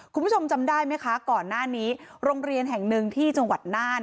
คุณผู้ชมจำได้ไหมคะก่อนหน้านี้โรงเรียนแห่งหนึ่งที่จังหวัดน่าน